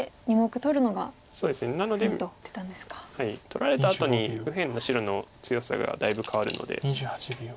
取られたあとに右辺の白の強さがだいぶ変わるので。